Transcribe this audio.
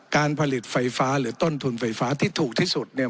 การผลิตไฟฟ้าหรือต้นทุนไฟฟ้าที่ถูกที่สุดเนี่ย